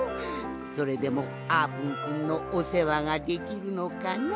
それでもあーぷんくんのおせわができるのかな？